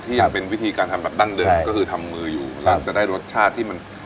ยังเป็นวิธีการทำแบบดั้งเดิมก็คือทำมืออยู่แล้วจะได้รสชาติที่มัน